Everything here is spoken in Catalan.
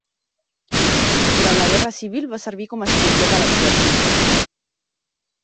Durant la Guerra Civil va servir com a cirurgià de l'exèrcit.